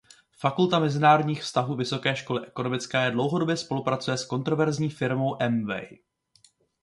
Fakulta mezinárodních vztahů Vysoké školy ekonomické dlouhodobě spolupracuje s kontroverzní firmou Amway.